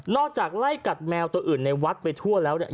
จากไล่กัดแมวตัวอื่นในวัดไปทั่วแล้วเนี่ย